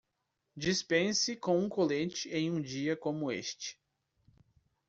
Dispense com um colete em um dia como este.